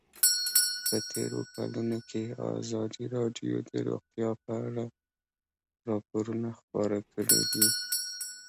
په تېرو کلونو کې ازادي راډیو د روغتیا په اړه راپورونه خپاره کړي دي.